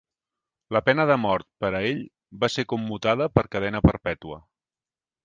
La pena de mort per a ell va ser commutada per cadena perpètua.